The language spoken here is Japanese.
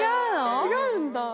違うんだ。